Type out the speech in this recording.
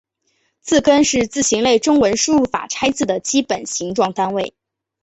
字根是字形类中文输入法拆字的基本形状单位。